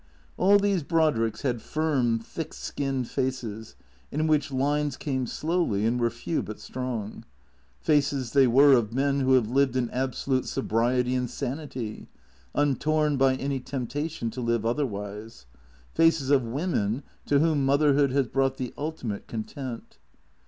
All these Brodricks had firm, thick skinned faces in which lines came slowly, and were few but strong. Faces, they were, of men who have lived in absolute sobriety and sanity, untorn by any temptation to live otherwise; faces of women to whom mother hood has brought the ultimate content.